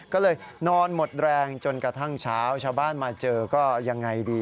ก็เลยนอนหมดแรงจนกระทั่งเช้าชาวบ้านมาเจอก็ยังไงดี